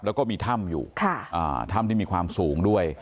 แล้วก็มีถ้ำอยู่ถ้ำที่มีความสูงด้วย